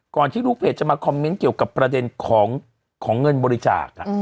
ที่ลูกเพจจะมาคอมเมนต์เกี่ยวกับประเด็นของเงินบริจาค